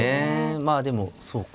まあでもそうか。